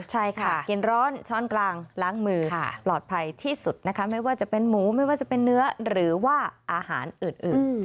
ใช่ค่ะกินร้อนช้อนกลางล้างมือปลอดภัยที่สุดนะคะไม่ว่าจะเป็นหมูไม่ว่าจะเป็นเนื้อหรือว่าอาหารอื่น